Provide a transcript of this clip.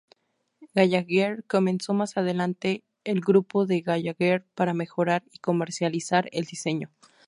Gallagher comenzó más adelante el Grupo de Gallagher para mejorar y comercializar el diseño.